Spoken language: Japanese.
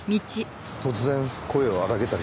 突然声を荒げたりして。